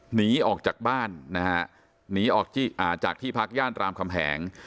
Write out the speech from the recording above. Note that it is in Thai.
หนีออกจากบ้านนะฮะหนีออกจากที่พักย่านรามคำแหง